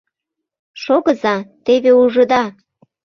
— Шогыза, теве ужыда!